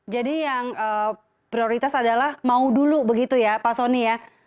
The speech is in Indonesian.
jadi yang prioritas adalah mau dulu begitu ya pak sony ya